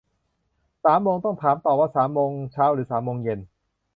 สามโมง ต้องถามต่อว่าสามโมงเช้าหรือสามโมงเย็น